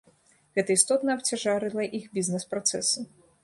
Гэта істотна абцяжарыла іх бізнэс-працэсы.